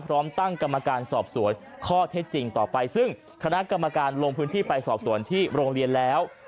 พร้อมตั้งกรรมการสอบสวนข้อเท็จจริงต่อไปซึ่งคณะกรรมการลงพื้นที่ไปสอบสวนที่โรงเรียนแล้ว